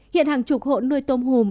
hiện hàng chục hộ nuôi tôm hùm